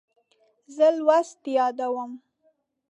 زه لوست یادوم.